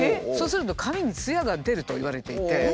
そうすると髪にツヤが出るといわれていて。